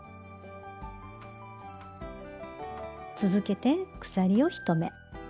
続けて鎖を１目。